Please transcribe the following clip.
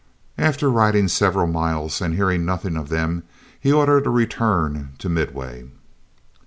After riding several miles, and hearing nothing of them, he ordered a return to Midway.